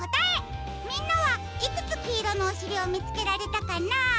みんなはいくつきいろのおしりをみつけられたかな？